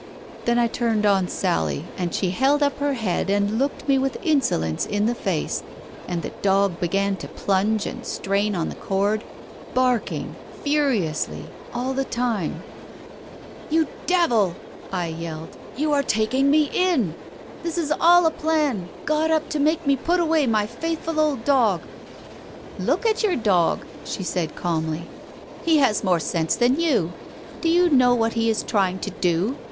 Then I turned on Sally, and she held up her head and looked me with insolence in the face, and the dog began to plunge and strain on the cord, barking furiously all the time. Digitized by Google THE WITNESS 211 "You devil," I yelled, "you are taking me in f This is all a plan got up to make me put away my faithful old dog !"" Look at your dog !" she said, calmly. " He has more sense than you. Do you know what he is trying to do?